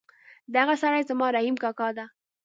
دغه سړی زما رحیم کاکا ده